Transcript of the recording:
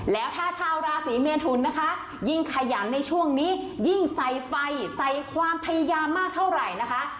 แล้วถ้าชาวราศีเมทุนนะคะยิ่งขยันในช่วงนี้ยิ่งใส่ไฟใส่ความพยายามมากเท่าไหร่นะคะ